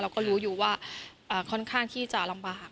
ก็รู้อยู่ว่าค่อนข้างที่จะลำบาก